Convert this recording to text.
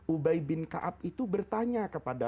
ubay bin ka'ab itu bertanya kepada